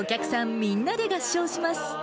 みんなで合唱します。